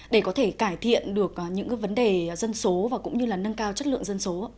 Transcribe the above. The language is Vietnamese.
để có thể cải thiện được những vấn đề dân số và cũng như là nâng cao chất lượng dân số